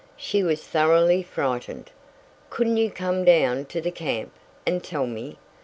She was thoroughly frightened. "Couldn't you come down to the camp, and tell me?